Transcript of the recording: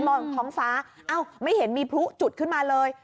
มองถ้องฟ้าไม่เห็นมีภูะจุดมาเลย